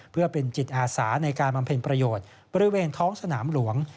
เพื่อเป็นจิตอาสาในการบำเพ็ญประโยชน์บริเวณท้องสนามหลวง